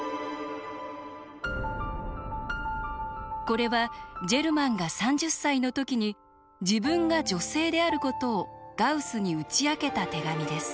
これはジェルマンが３０歳の時に自分が女性であることをガウスに打ち明けた手紙です。